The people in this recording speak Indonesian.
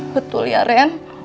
betul ya ren